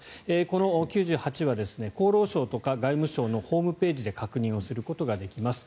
この９８は厚労省とか外務省のホームページで確認することができます。